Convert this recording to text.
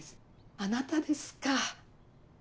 あなたですか。